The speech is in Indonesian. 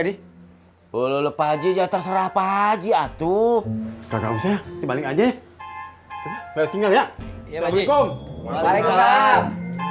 di ulu ulu pak ji ya terserah pak ji atuh kagak usah balik aja ya ya ya assalamualaikum